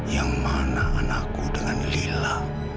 yang mana anakku dengan lila